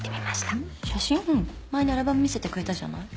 前にアルバム見せてくれたじゃない。